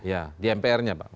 ya di mpr nya pak